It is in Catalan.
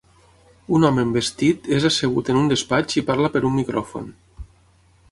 Un home amb vestit és assegut en un despatx i parla per un micròfon.